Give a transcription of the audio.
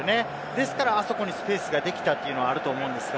ですからそこにスペースができたというのもあるんですが。